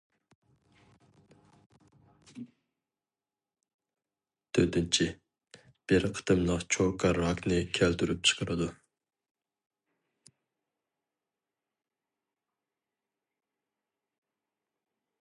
تۆتىنچى، بىر قېتىملىق چوكا راكنى كەلتۈرۈپ چىقىرىدۇ.